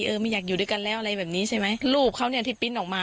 ไม่อยากอยู่ด้วยกันแล้วอะไรแบบนี้ใช่ไหมรูปเขาเนี่ยที่ปริ้นต์ออกมา